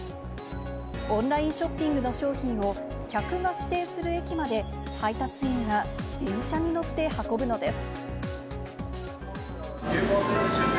オンラインショッピングの商品を客が指定する駅まで、配達員が電車に乗って運ぶのです。